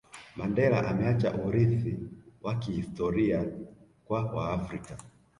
Mandela ameacha urithi wa kihistori kwa waafrika